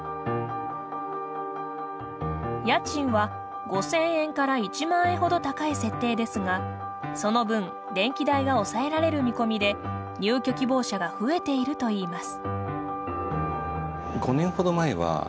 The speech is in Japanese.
家賃は５，０００円から１万円ほど高い設定ですがその分電気代が抑えられる見込みで入居希望者が増えているといいます。